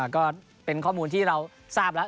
ก็เป็นข้อมูลที่เราทราบแล้ว